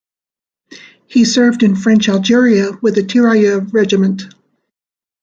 He served in French Algeria with a Tirailleur regiment.